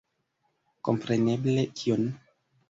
Kompreneble, kion!